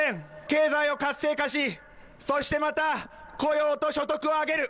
経済を活性化し、そしてまた、雇用と所得を上げる。